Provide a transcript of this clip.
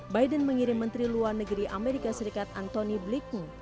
biden mengirim menteri luar negeri amerika serikat anthony blinken